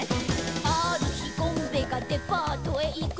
「ある日ゴンベがデパートへ行くと」